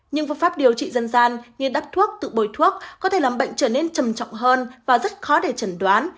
nhưng phương pháp điều trị dân gian như đắp thuốc tự bồi thuốc có thể làm bệnh trở nên trầm trọng hơn và rất khó để chẩn đoán